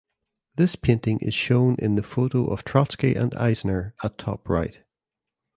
This painting is shown in the photo of Trotsky and Eisner at top right.